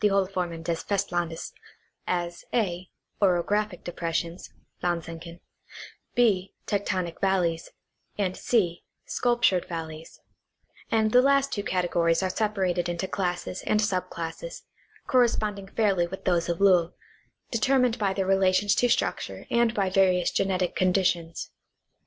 Hohlformen des Festlandes) as (a) orographic depressions (Landsenken) ; {b) tectonic valleys, and (c) sculptured valleys; and the last two categories are separated into classes and sub classes, corresponding fairly with those of Lowl, determined by their relations to structure and by various genetic conditions.